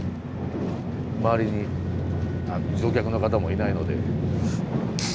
周りに乗客の方もいないので。